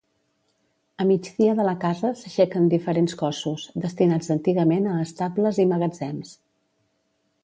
A migdia de la casa s'aixequen diferents cossos, destinats antigament a estables i magatzems.